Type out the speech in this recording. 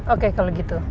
oke kalau gitu